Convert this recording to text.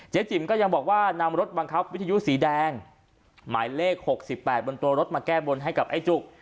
จิ๋มก็ยังบอกว่านำรถบังคับวิทยุสีแดงหมายเลข๖๘บนตัวรถมาแก้บนให้กับไอ้จุก